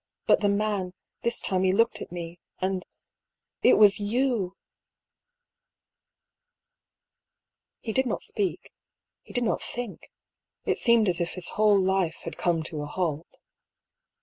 But the man — this time he looked at me — and — it was you !" He did not speak. He did not think. It seemed as if his whole life had come to a halt.